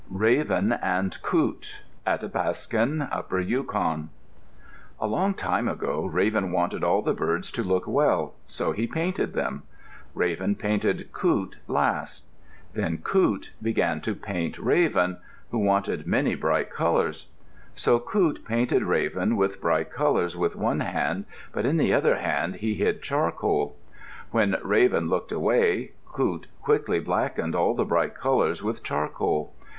RAVEN AND COOT Athapascan (Upper Yukon) A long time ago, Raven wanted all the birds to look well, so he painted them. Raven painted Coot last. Then Coot began to paint Raven, who wanted many bright colors. So Coot painted Raven with bright colors with one hand, but in the other hand he hid charcoal. When Raven looked away, Coot quickly blackened all the bright colors with charcoal.